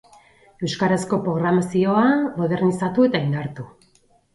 Euskarazko programazioa modernizatu eta indartu.